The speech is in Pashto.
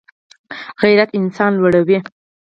غیرت انسان لوړوي